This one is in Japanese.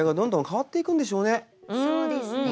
そうですね。